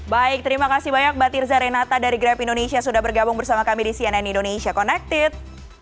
baik terima kasih banyak mbak tirza renata dari grab indonesia sudah bergabung bersama kami di cnn indonesia connected